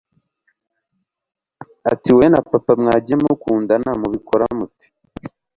ati wowe na papa mwagiye mukundana, mubikora mute